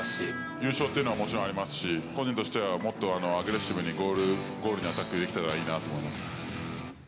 優勝っていうのはもちろんありますし、個人としてはもっとアグレッシブにゴールにアタックできたらいいなと思います。